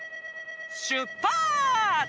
しゅっぱつ！